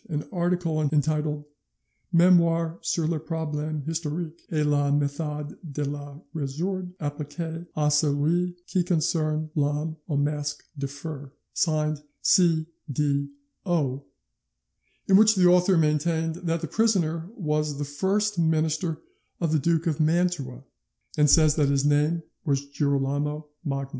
472) an article entitled 'Memoires sur les Problemes historiques, et la methode de les resoudre appliquee a celui qui concerne l'Homme au Masque de Fer', signed C. D. O., in which the author maintained that the prisoner was the first minister of the Duke of Mantua, and says his name was Girolamo Magni.